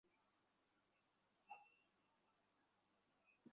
তোমার এসব বালের অপকর্ম আমি ধরে ফেলছি ডন?